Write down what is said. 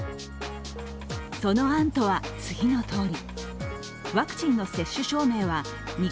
その案とは、次のとおり。